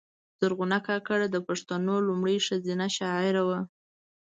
زرغونه کاکړه د پښتو لومړۍ ښځینه شاعره وه .